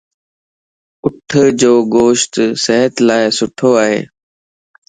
اُٺَ جو گوشت صحت لا سٺو ائي.